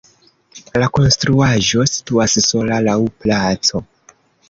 La konstruaĵo situas sola laŭ placo.